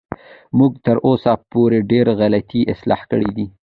موږ تر اوسه پورې ډېرې غلطۍ اصلاح کړې دي.